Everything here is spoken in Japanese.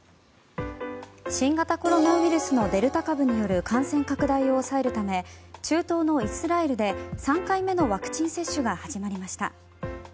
新型コロナウイルスのデルタ株による感染拡大を抑えるため中東のイスラエルで３回目のワクチン接種が始まりました。